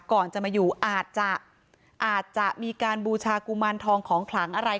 ก่อนจะมาอยู่อาจจะอาจจะมีการบูชากุมารทองของขลังอะไร